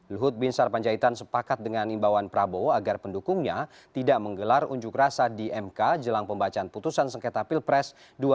luhut bin sarpanjaitan sepakat dengan imbauan prabowo agar pendukungnya tidak menggelar unjuk rasa di mk jelang pembacaan putusan sengketa pilpres dua ribu sembilan belas